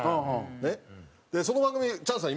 その番組にチャンスさん